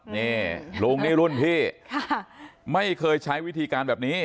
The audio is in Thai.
นี่ลุงนี่รุ่นพี่ไม่เคยใช้วิธีการแบบนี้